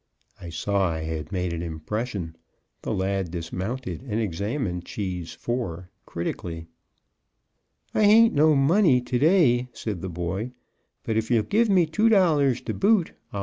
I saw I had made an impression; the lad dismounted, and examined Cheese IV, critically. "I hain't no money to day," said the boy, "but if you'll give me two dollars to boot I'll trade."